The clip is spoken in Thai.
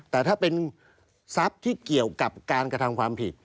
แต่ถ้าเป็นทรัพย์ที่เกี่ยวกับการกระทำความผิด